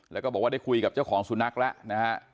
แล้วก็บอกว่าได้คุยกับเจ้าของสุนัขแล้วนะฮะ